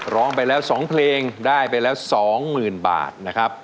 ร้องไปแล้ว๒เพลงได้ไปแล้ว๒๐๐๐บาทนะครับ